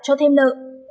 cho thêm nợ